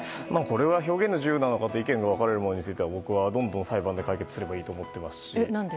これは表現の自由なのかと意見が分かれるものについては僕はもっとどんどん裁判で解決すればいいと思っています。